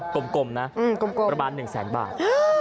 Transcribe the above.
ประมาณ๑แสนบาท